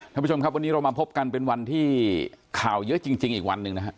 ท่านผู้ชมครับวันนี้เรามาพบกันเป็นวันที่ข่าวเยอะจริงอีกวันหนึ่งนะฮะ